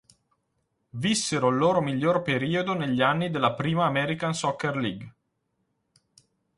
Vissero il loro miglior periodo negli anni della prima American Soccer League.